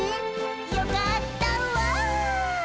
「よかったわ」